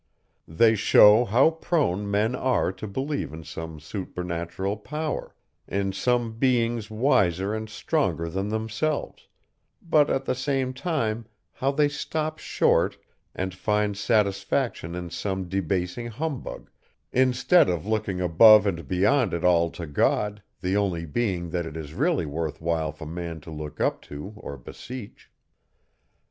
They show how prone men are to believe in some supernatural power, in some beings wiser and stronger than themselves, but at the same time how they stop short, and find satisfaction in some debasing humbug, instead of looking above and beyond it all to God, the only being that it is really worth while for man to look up to or beseech.